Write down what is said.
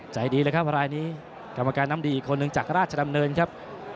ใจดีเลยครับรายนี้กรรมการน้ำดีอีกคนนึงจากราชดำเนินครับ